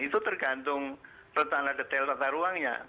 itu tergantung rencana detail tata ruangnya